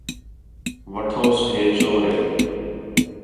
وٹھوس ہے چوریک